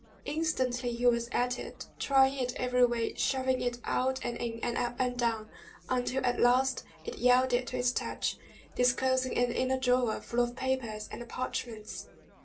Instantly he was at it, trying it every way, shoving it out and in, and up and down, until at last it yielded to his touch, disclosing an inner drawer, full of papers and parchments.